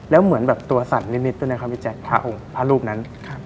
แล้วเหมือนแบบตัวสั่นนิดด้วยนะครับพี่แจ๊คพระรูปนั้นครับ